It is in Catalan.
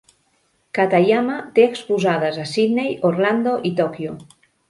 Katayama té exposades a Sidney, Orlando i Tòquio.